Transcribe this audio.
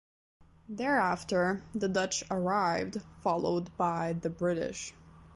Thereafter the Dutch arrived, followed by the British.